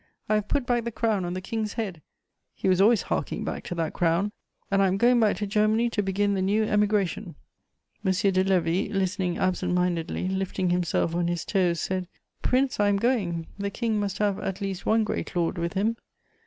I have put back the crown on the King's head" he was always harking back to that crown "and I am going back to Germany to begin the new Emigration." M. de Lévis, listening absent mindedly, lifting himself on his toes, said: "Prince, I am going; the King must have at least one great lord with him."